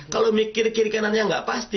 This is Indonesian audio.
kalau mikir kiri kanannya nggak pasti